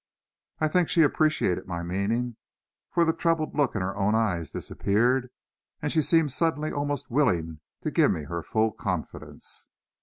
I think she appreciated my meaning, for the troubled look in her own eyes disappeared, and she seemed suddenly almost willing to give me her full confidence.